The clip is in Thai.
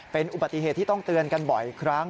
เป็นอุบัติเหตุที่ต้องเตือนกันบ่อยครั้ง